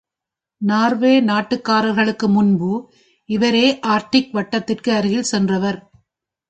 Norway நாட்டுக்காரர்களுக்கு முன்பு, இவரே ஆர்க்டிக் வட்டத்திற்கு அருகில் சென்றவர்.